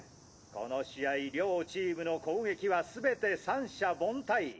この試合両チームの攻撃はすべて三者凡退！